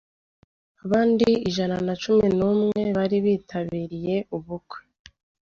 abandi ijana na cumi numwe bari bitabiriye ubukwe